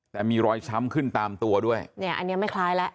แต่มีรอยช้ำขึ้นตามตัวด้วยเนี่ยอันนี้ไม่คล้ายแล้ว